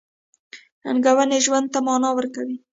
• ننګونې ژوند ته مانا ورکوي.